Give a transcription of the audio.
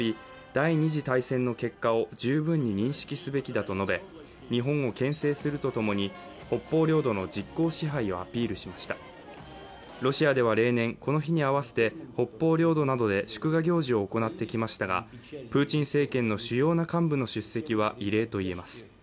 第２次大戦の結果を十分に認識すべきだと述べ日本をけん制するとともに北方領土の実効支配をアピールしましたロシアでは例年この日に合わせて北方領土などで祝賀行事を行ってきましたがプーチン政権の主要な幹部の出席は異例といえます